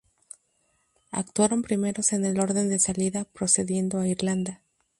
Actuaron primeros en el orden de salida, precediendo a Irlanda.